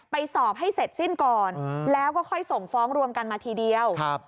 สอบให้เสร็จสิ้นก่อนแล้วก็ค่อยส่งฟ้องรวมกันมาทีเดียว